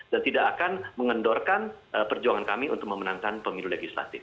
dan tidak akan mengendorkan perjuangan kami untuk memenangkan pemilu legislatif